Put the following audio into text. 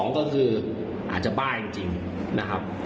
ก็คืออาจจะบ้าจริงนะครับ